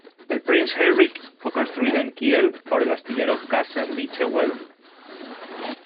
El "Prinz Heinrich" fue construido en Kiel por el astillero Kaiserliche Werft.